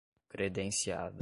credenciada